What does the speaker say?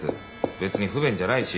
別に不便じゃないし。